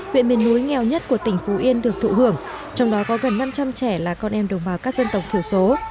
huyện miền núi nghèo nhất của tỉnh phú yên được thụ hưởng trong đó có gần năm trăm linh trẻ là con em đồng bào các dân tộc thiểu số